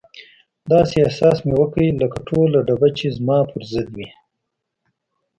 داسې احساس مې وکړ لکه ټوله ډبه چې زما پر ضد وي.